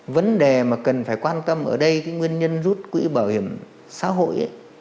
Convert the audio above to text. vấn đề mà cần phải quan tâm ở đây cái nguyên nhân rút quỹ bảo hiểm xã hội